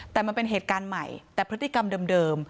แต่มันเป็นเหตุการณ์ใหม่แต่พฤติกรรมเดิม